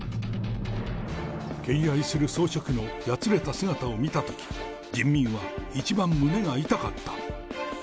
敬愛する総書記のやつれた姿を見たとき、人民は一番胸が痛かった。